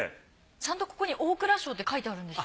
ちゃんとここに大蔵省って書いてあるんですよ。